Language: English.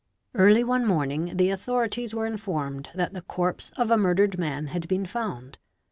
Harly one morning the authori t 8 were informed that the corpse of a murdered man had been found.